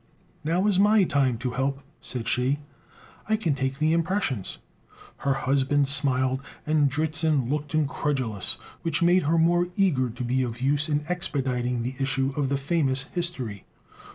"Now is my time to help," said she; "I can take the impressions!" Her husband smiled, and Dritzhn looked incredulous, which made her more eager to be of use in expediting the issue of the famous "History."